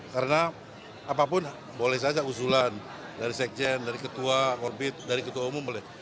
karena apapun boleh saja usulan dari sekjen dari ketua korbit dari ketua umum boleh